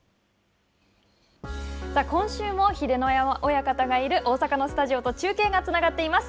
さあ、今週も秀ノ山親方がいる大阪のスタジオと中継がつながっています。